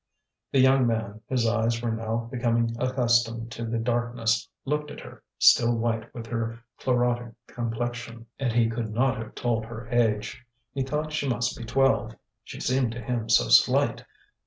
The young man, whose eyes were now becoming accustomed to the darkness, looked at her, still white with her chlorotic complexion, and he could not have told her age; he thought she must be twelve, she seemed to him so slight.